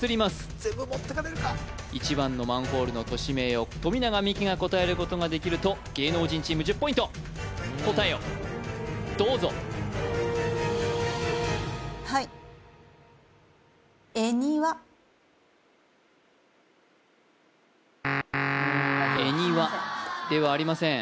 全部持ってかれるか１番のマンホールの都市名を富永美樹が答えることができると芸能人チーム１０ポイント答えをどうぞはいすいません